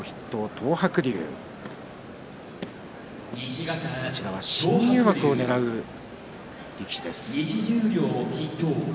東白龍は新入幕をねらう力士です。